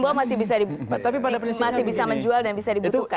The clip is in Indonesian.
berarti simbol masih bisa menjual dan bisa dibutuhkan